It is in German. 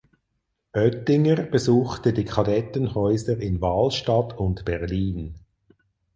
Oetinger besuchte die Kadettenhäuser in Wahlstatt und Berlin.